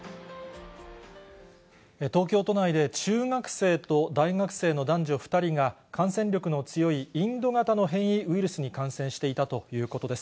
東京都内で、中学生と大学生の男女２人が、感染力の強いインド型の変異ウイルスに感染していたということです。